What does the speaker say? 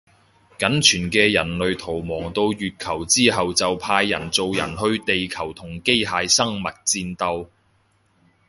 僅存嘅人類逃亡到月球之後就派人造人去地球同機械生物戰鬥